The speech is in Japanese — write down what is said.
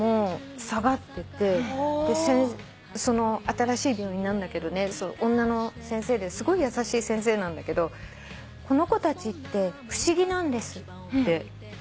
新しい病院なんだけど女の先生ですごい優しい先生なんだけど「この子たちって不思議なんです」って言われたのね。